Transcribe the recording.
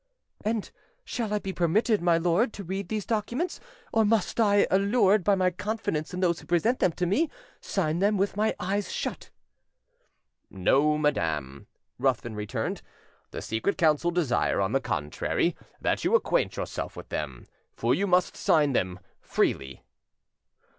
"And shall I be permitted, my lord, to read these documents, or must I, allured by my confidence in those who present them to me, sign them with my eyes shut?" "No, madam," Ruthven returned; "the Secret Council desire, on the contrary, that you acquaint yourself with them, for you must sign them freely."